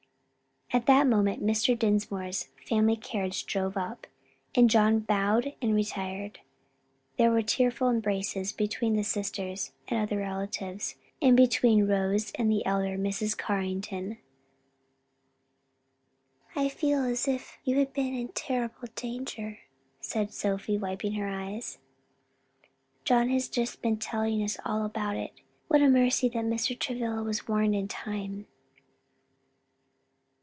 At that moment Mr. Dinsmore's family carriage drove up, and John bowed and retired. There were tearful embraces between the sisters and other relatives, and between Rose and the elder Mrs. Carrington. "I feel as if you had been in terrible danger." said Sophie, wiping her eyes. "John has just been telling us all about it. What a mercy that Mr. Travilla was warned in time!"